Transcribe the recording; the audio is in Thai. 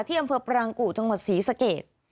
อำเภอปรางกู่จังหวัดศรีสเกต